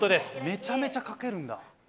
めちゃめちゃ書けるんだ。